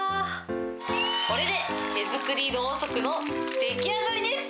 これで手作りろうそくの出来上がりです。